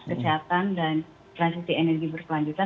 kesehatan dan transisi energi berkelanjutan